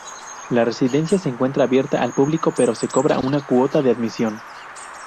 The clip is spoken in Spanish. La residencia se encuentra abierta al público, pero se cobra una cuota de admisión.